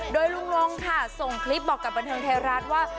โดยลุงรงค่ะทรงคลิปบอกกับบริเทศรัฐว่า